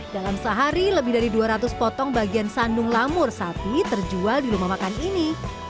dalam sehari lebih dari dua ratus potong bagian sandung lamur sapi terjual di rumah makan ini